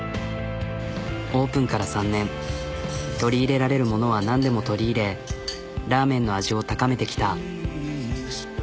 オープンから３年取り入れられるものは何でも取り入れラーメンの味を高めてきた。